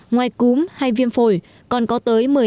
ngoài cúm hay viêm phổi còn có tới